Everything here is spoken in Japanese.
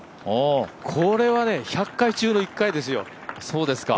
これはね、１００回中の１回ですよ。